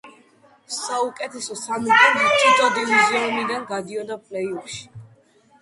საუკეთესო სამი გუნდი თითო დივიზიონიდან გადიოდა პლეი-ოფში.